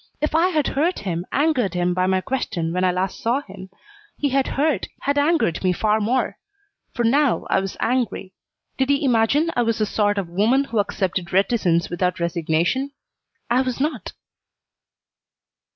If I had hurt him, angered him by my question when I last saw him, he had hurt, had angered me far more. For now I was angry. Did he imagine I was the sort of woman who accepted reticence with resignation? I was not.